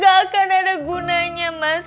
gak akan ada gunanya mas